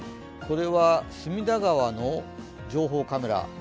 これは隅田川の情報カメラ。